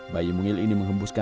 bayi mungil ini menghembuskan